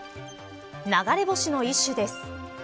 流れ星の一種です。